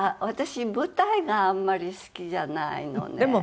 私舞台があんまり好きじゃないのね。